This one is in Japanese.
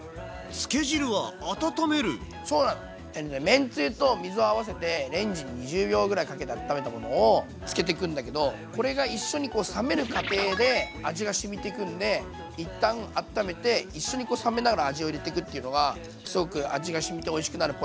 めんつゆと水を合わせてレンジに２０秒ぐらいかけてあっためたものをつけてくんだけどこれが一緒にこう冷める過程で味がしみていくんで一旦あっためて一緒に冷めながら味を入れていくっていうのがすごく味がしみておいしくなるポイントなんで是非。